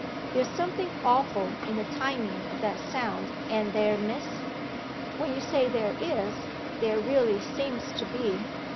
'There's something awful in the timing o' that sound, ain't there, miss?' 'When you say there is, there really seems to be.